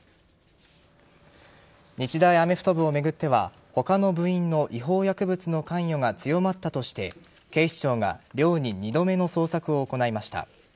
日大アメフト部を巡っては他の部員の違法薬物の関与が強まったとして警視庁が寮に２度目の捜索を行いました。